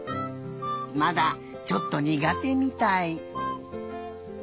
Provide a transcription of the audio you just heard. まだちょっとにがてみたい。